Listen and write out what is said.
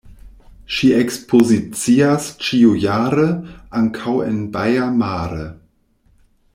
Ŝi ekspozicias ĉiujare ankaŭ en Baia Mare.